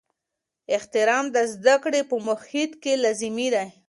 احترام د زده کړې په محیط کې لازمي دی.